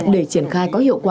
để triển khai có hiệu quả